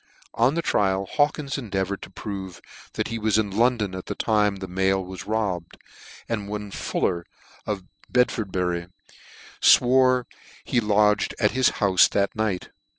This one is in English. On the trial, Hawkins endeavoured to prove that he was in London at the time the mail was robbed ; and one Fuller, of Bedfordbury, fwore that he lodged at his houfe on that night.